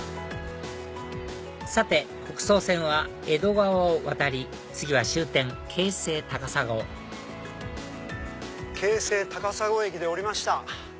さて北総線は江戸川を渡り次は終点京成高砂京成高砂駅で降りました。